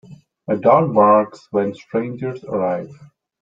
My dog barks when strangers arrive.